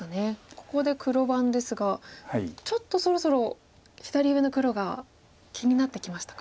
ここで黒番ですがちょっとそろそろ左上の黒が気になってきましたか。